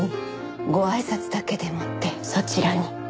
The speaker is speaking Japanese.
ご挨拶だけでもってそちらに。